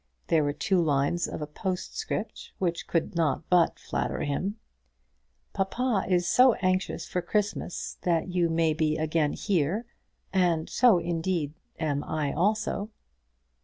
There were two lines of a postscript, which could not but flatter him: "Papa is so anxious for Christmas, that you may be here again; and so, indeed, am I also."